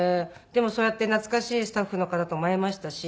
でもそうやって懐かしいスタッフの方とも会えましたし。